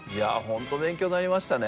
本当勉強になりましたね。